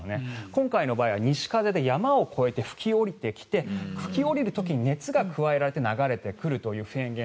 今回の場合は西風で山を越えて吹き下りてきて吹き下りる時に熱が加えられて流れてくるというフェーン。